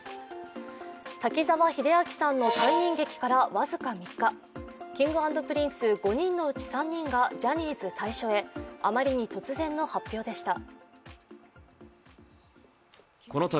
滝沢秀明さんの退任劇から僅か３日、Ｋｉｎｇ＆Ｐｒｉｎｃｅ５人のうち３人がジャニーズ退所へあまりに突然の発表でした。